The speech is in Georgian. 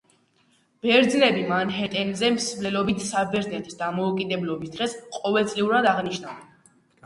ბერძნები მანჰეტენზე მსვლელობით საბერძნეთის დამოუკიდებლობის დღეს ყოველწლიურად აღნიშნავენ.